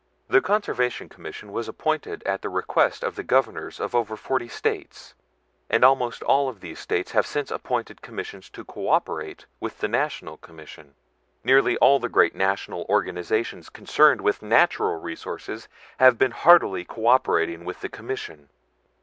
The Conservation Commission was appointed at the request of the Governors of over forty States, and almost all of these States have since appointed commissions to cooperate with the National Commission. Nearly all the great national organizations concerned with natural resources have been heartily cooperating with the commission.